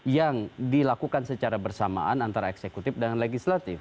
yang dilakukan secara bersamaan antara eksekutif dan legislatif